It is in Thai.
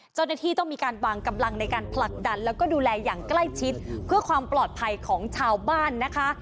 เจ้าหน้าที่ต้องมีการวางกำลังในการผลักดันแล้วก็ดูแลอย่างใกล้ชิดเพื่อความปลอดภัยของชาวบ้านนะคะ